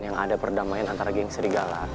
yang ada perdamaian antara game serigala